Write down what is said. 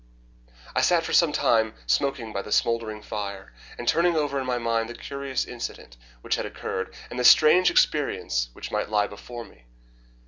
I sat for some little time smoking by the smouldering fire, and turning over in my mind the curious incident which had occurred, and the strange experience which might lie before me.